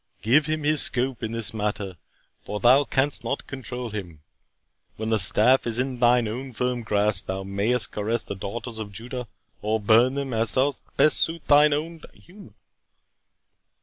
Give him his scope in this matter, for thou canst not control him. When the staff is in thine own firm grasp, thou mayest caress the daughters of Judah, or burn them, as may best suit thine own humour."